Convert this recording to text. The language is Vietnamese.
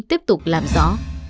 tiếp tục làm rõ